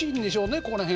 ここの辺。